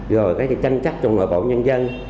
rồi tranh chắc trong nội bộ nhân dân